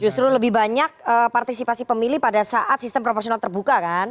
justru lebih banyak partisipasi pemilih pada saat sistem proporsional terbuka kan